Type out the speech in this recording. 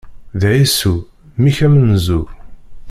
D Ɛisu! Mmi-k amenzu.